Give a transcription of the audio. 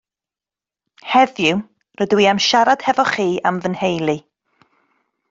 Heddiw rydw i am siarad hefo chi am fy nheulu